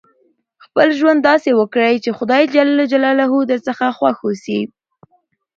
خپل ژوند داسي وکړئ، چي خدای جل جلاله درڅخه خوښ اوسي.